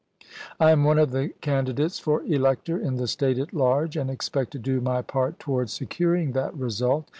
I am one of the candi dates for elector in the State at large, and expect to do my part towards securing that result.